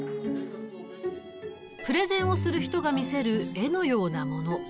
プレゼンをする人が見せる絵のようなもの。